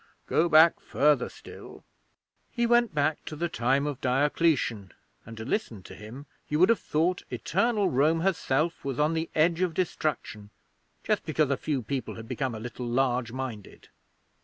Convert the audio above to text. Go back further still."... He went back to the time of Diocletian; and to listen to him you would have thought Eternal Rome herself was on the edge of destruction, just because a few people had become a little large minded.